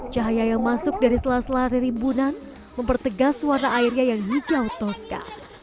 cahaya yang masuk dari selas lari rimbunan mempertegas warna airnya yang hijau toska